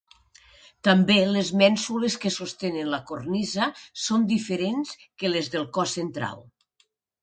També les mènsules que sostenen la cornisa són diferents que les del cos central.